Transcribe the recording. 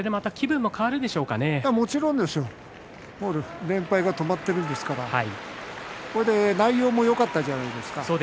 もう連敗が止まってるんですから内容もよかったんじゃないですか。